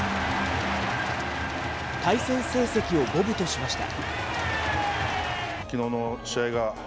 対戦成績を五分としました。